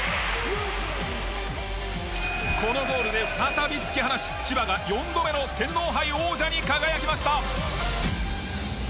このゴールで再び突き放し千葉が４度目の天皇杯王者に輝きました。